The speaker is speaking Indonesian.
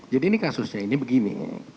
jadi ini kasusnya ini begini